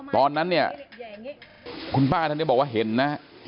ตอนนั้นเนี่ยคุณป้าท่านนี้บอกว่าเห็นนะฮะ